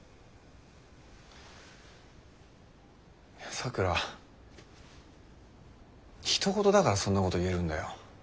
咲良はひと事だからそんなこと言えるんだよ。